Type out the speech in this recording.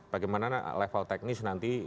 bagaimana level teknis nanti